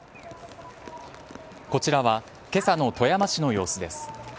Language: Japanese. こちらは今朝の富山市の様子です。